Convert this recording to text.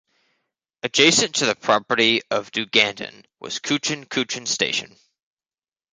Adjacent to the property of Dugandan was Coochin Coochin station.